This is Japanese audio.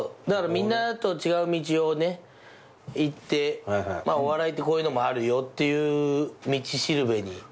だからみんなと違う道を行ってお笑いってこういうのもあるよっていう道しるべに。